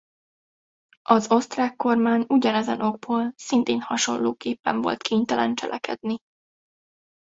Az osztrák kormány ugyanezen okból szintén hasonlóképp volt kénytelen cselekedni.